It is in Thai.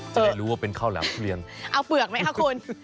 จะได้รู้ว่าเป็นข้าวแหลมเกลียงเอาเปลือกไหมคะคุณ